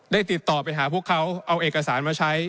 ติดต่อไปหาพวกเขาเอาเอกสารมาใช้